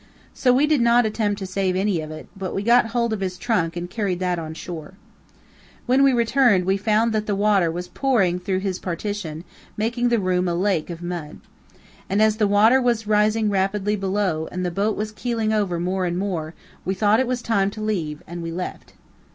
So we did not attempt to save any of it, but we got hold of his trunk and carried that on shore. When we returned, we found that the water was pouring through his partition, making the room a lake of mud. And, as the water was rising rapidly below, and the boat was keeling over more and more, we thought it was time to leave, and we left.